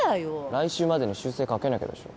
来週までに修正かけなきゃでしょ